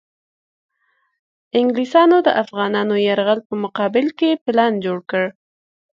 انګلیسیانو د افغانانو یرغل په مقابل کې پلان جوړ کړ.